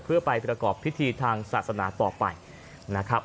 เพื่อไปประกอบพิธีทางศาสนาต่อไปนะครับ